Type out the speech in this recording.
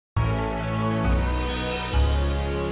harusnya lu bisa lebih sabar lagi ngadepin perempuan